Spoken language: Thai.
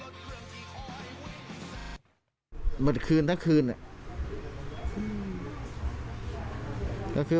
ถามว่าเส้นนี้เนี่ยคือ